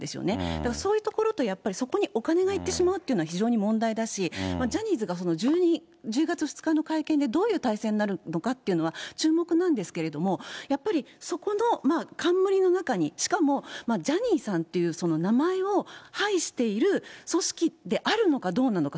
だからそういうところと、やっぱりそこにお金が行ってしまうというのは、非常に問題だし、ジャニーズが１０月２日の会見で、どういう体制になるのかっていうのは注目なんですけれども、やっぱりそこの冠の中に、しかもジャニーさんっていう、名前をはいしている組織ってあるのかどうなのか、